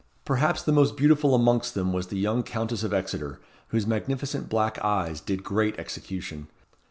Perhaps the most beautiful amongst them was the young Countess of Exeter, whose magnificent black eyes did great execution.